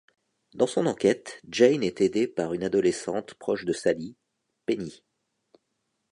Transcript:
Dans son enquête, Jane est aidée par une adolescente proche de Sallie, Penny.